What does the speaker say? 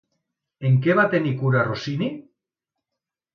En què va tenir cura Rossini?